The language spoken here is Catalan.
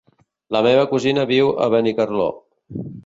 La meva cosina viu a Benicarló.